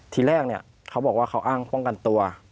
ทีแรกเนี่ยเขาบอกว่าเขาอ้างป้องกันตัว